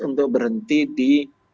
untuk berhenti di